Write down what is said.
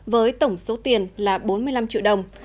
với tổng số tiền là bốn mươi năm triệu đồng